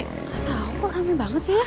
gak tau kok rame banget sih